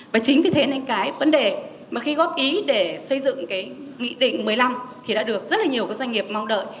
và chính vì thế nên cái vấn đề mà khi góp ý để xây dựng cái nghị định một mươi năm thì đã được rất là nhiều các doanh nghiệp mong đợi